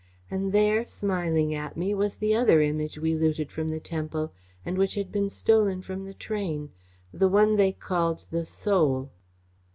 and there, smiling at me, was the other Image we looted from the temple, and which had been stolen from the train the one they called the Soul."